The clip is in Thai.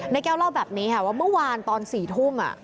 แก้วเล่าแบบนี้ค่ะว่าเมื่อวานตอน๔ทุ่ม